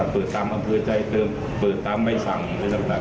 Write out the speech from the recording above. เปิดตามอบเวอร์ใจเติมเปิดตามไว้สั่งอะไรต่างนะครับ